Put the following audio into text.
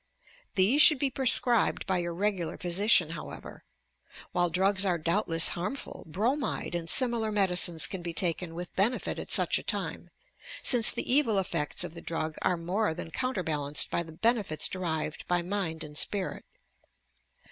These should be prescribed by your regular physician, however. While drugs are doubtless harmful, bromide and similar medicines can be taken with benefit at such a time, since the evil effects of the drug are n;ore than counterbalanced by the benefits derived by mind and spirit.